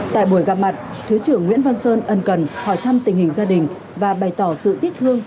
tại buổi gặp mặt thứ trưởng nguyễn văn sơn ân cần hỏi thăm tình hình gia đình và bày tỏ sự tiếc thương